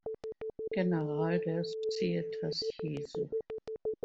General der Societas Jesu.